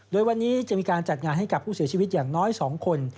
โดยวันนี้จะมีการจัดงานให้กับผู้เสียชีวิตอย่างน้อย๒คน